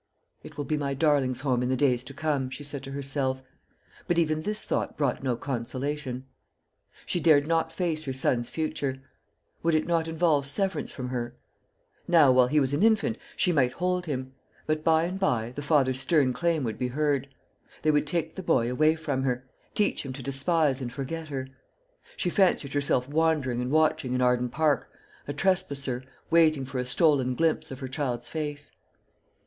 "It will be my darling's home in the days to come," she said to herself; but even this thought brought no consolation. She dared not face her son's future. Would it not involve severance from her? Now, while he was an infant, she might hold him; but by and by the father's stern claim would be heard. They would take the boy away from her teach him to despise and forget her. She fancied herself wandering and watching in Arden Park, a trespasser, waiting for a stolen glimpse of her child's face.